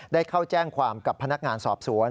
ได้เข้าแจ้งความกับพนักงานสอบสวน